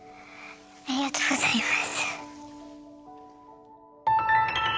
ありがとうございます。